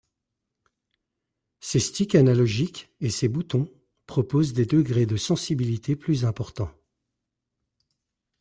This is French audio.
Ses sticks analogiques et ses boutons proposent des degrés de sensibilité plus importants.